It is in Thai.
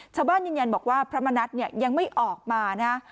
ชาวบ้านยืนยันบอกว่าพระมณัฐเนี่ยยังไม่ออกมานะ